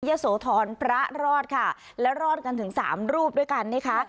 โสธรพระรอดค่ะแล้วรอดกันถึงสามรูปด้วยกันนะคะ